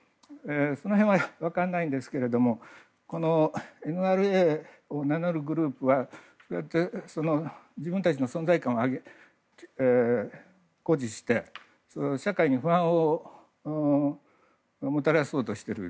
その辺は、分からないんですがこのＮＲＡを名乗るグループは自分たちの存在感を誇示してそれで、社会に不安をもたらそうとしている。